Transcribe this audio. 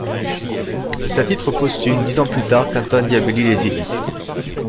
C'est à titre posthume, dix ans plus tard, qu'Antoine Diabelli les édite.